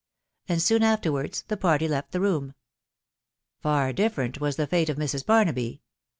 and soon afterwards the party left the room. Far different was the fate of Mrs. Barnaby.